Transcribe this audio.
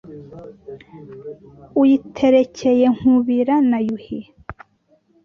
uyiterekeye nkubira, na yuhi